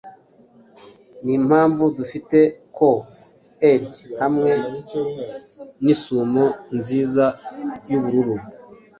Nimpamvu dufite Kool-Aid hamwe nisumo nziza yubururu.